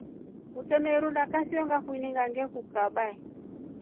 Utamerunda kasiyo ngakuninga ngekukaba.